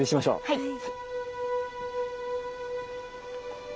はい。